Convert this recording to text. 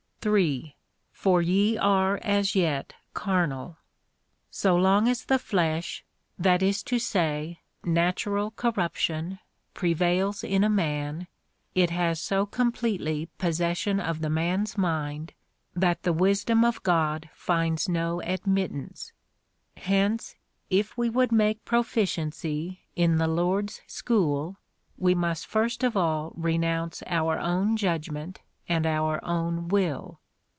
3. For ye are as yet carnal. So long as the flesh, that is to say, natural corruption, prevails in a man, it has so com pletely possession of the man's mind, that the wisdom of God finds no admittance. Hence, if we would make pro ficiency in the Lord's school, we must first of all renounce our own judgment and our own will.